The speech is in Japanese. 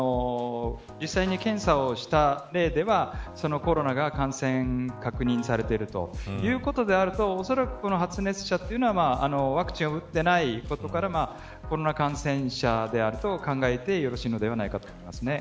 実際に検査をした例ではコロナが感染確認されているということであるとおそらく発熱者はワクチンを打っていないことからコロナ感染者であると考えてよろしいと思いますね。